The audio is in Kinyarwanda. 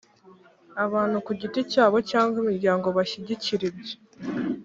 abantu ku giti cyabo cyangwa imiryango bashyigikira ibyo